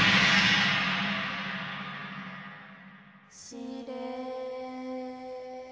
しれ。